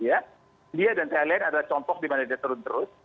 india dan thailand adalah contoh di mana dia turun terus